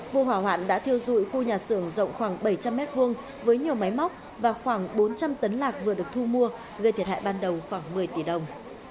vụ hỏa hoạn đã thiêu dụi khu nhà xưởng rộng khoảng bảy trăm linh m hai với nhiều máy móc và khoảng bốn trăm linh tấn lạc vừa được thu mua gây thiệt hại ban đầu khoảng một mươi tỷ đồng